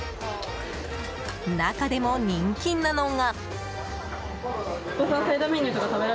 中でも人気なのが。